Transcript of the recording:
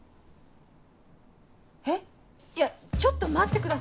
えっいやちょっと待ってください。